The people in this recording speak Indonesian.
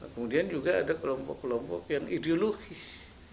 kemudian juga ada kelompok kelompok yang ideologis